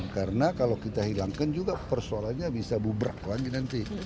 karena kalau kita hilangkan juga persoalannya bisa buberak lagi nanti